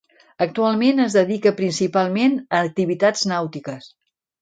Actualment es dedica principalment a activitats nàutiques.